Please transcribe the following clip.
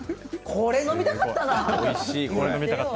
これを飲みたかった。